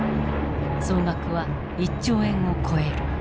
総額は１兆円を超える。